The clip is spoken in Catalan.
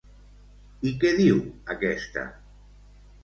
I què diu aquesta?